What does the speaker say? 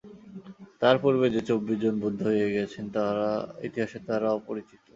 তাঁহার পূর্বে যে চব্বিশ জন বুদ্ধ হইয়া গিয়াছেন, ইতিহাসে তাঁহারা অপরিচিত।